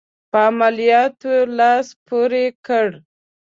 په عملیاتو لاس پوري کړ.